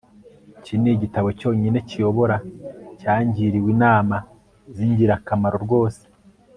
iki nigitabo cyonyine kiyobora cyangiriwe inama zingirakamaro rwose